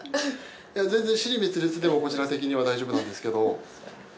全然支離滅裂でもこちら的には大丈夫なんですけど。